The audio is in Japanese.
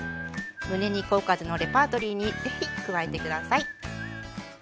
むね肉おかずのレパートリーに是非加えて下さい。